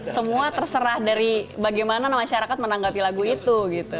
semua terserah dari bagaimana masyarakat menanggapi lagu itu